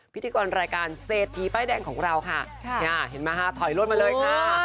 พิธีกรรายการเศรษฐีป้ายแดงของเราค่ะเห็นไหมคะถอยรถมาเลยค่ะ